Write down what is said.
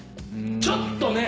ちょっとね。